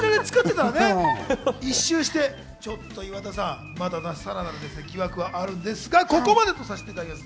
一周して、ちょっと岩田さん、さらなる疑惑はあるんですが、ここまでとさせていただきます。